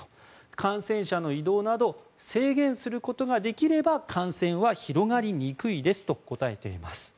感染者の移動など制限することができれば感染は広がりにくいですと答えています。